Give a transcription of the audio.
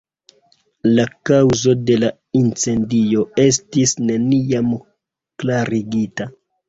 La kaŭzo de la incendio estis neniam klarigita.